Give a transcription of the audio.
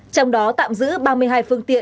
trong đó tạm giữ ba mươi hai phương tiện